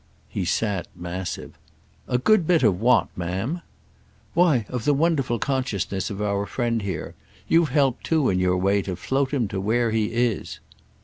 He sat massive. "A good bit of what, ma'am?" "Why of the wonderful consciousness of our friend here. You've helped too in your way to float him to where he is."